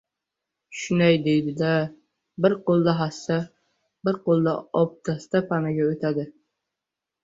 Shunday deydi-da, bir qo‘lida hassa, bir qo‘lida obdasta panaga o‘tadi.